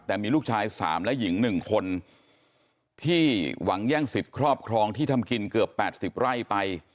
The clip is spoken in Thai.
แต่มีลูกชาย๓และหญิง๑คนที่หวังแย่งสิทธิ์ครอบครองที่ทำกินเกือบ๘๐ไร่ไป